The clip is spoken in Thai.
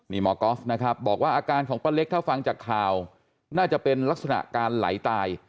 นี่หมอก๊อฟนะครับบอกว่าอาการของป้าเล็กถ้าฟังจากข่าวน่าจะเป็นลักษณะการไหลตาย